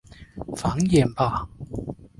繁衍吧！